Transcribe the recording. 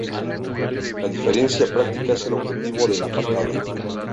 La diferencia práctica es el objetivo de la patada.